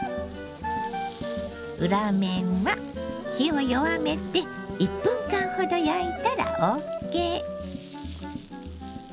裏面は火を弱めて１分間ほど焼いたらＯＫ。